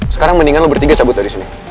sekarang mendingan lo bertiga cabut dari sini